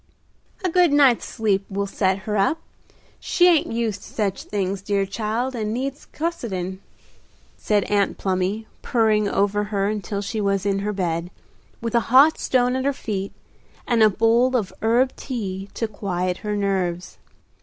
"A good night's sleep will set her up. She ain't used to such things, dear child, and needs cossetin'," said Aunt Plumy, purring over her until she was in her bed, with a hot stone at her feet and a bowl of herb tea to quiet her nerves.